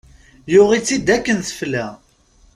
Yuɣ-itt-id akken tefla.